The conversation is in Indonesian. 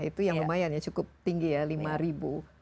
itu yang lumayan ya cukup tinggi ya lima ribu